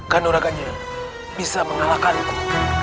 karena raganya bisa mengalahkanku